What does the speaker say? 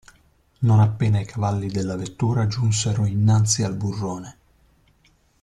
Non appena i cavalli della vettura giunsero innanzi al burrone.